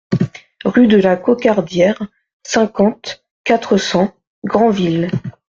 Rue de la Cocardière, cinquante, quatre cents Granville